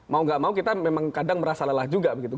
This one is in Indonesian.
mau gak mau kita memang kadang merasa lelah juga begitu